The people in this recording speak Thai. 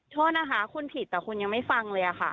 โทษนะคะคุณผิดแต่คุณยังไม่ฟังเลยค่ะ